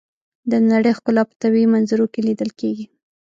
د نړۍ ښکلا په طبیعي منظرو کې لیدل کېږي.